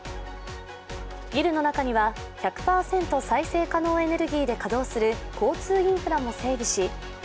ビルの中には、１００％再生可能エネルギーで稼働する稼働する交通インフラも整備し、。